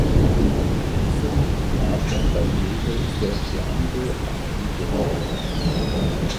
Mit diesem nahm er beim Label "Solfeando" acht Titel auf.